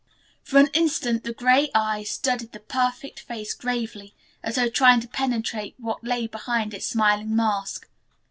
For an instant the gray eyes studied the perfect face gravely, as though trying to penetrate what lay behind its smiling mask.